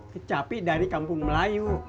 kecapi dari kampung melayu